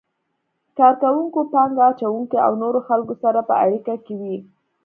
کار کوونکو، پانګه اچونکو او نورو خلکو سره په اړیکه کې وي.